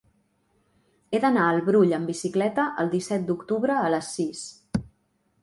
He d'anar al Brull amb bicicleta el disset d'octubre a les sis.